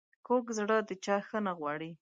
کوږ زړه د چا ښه نه غواړي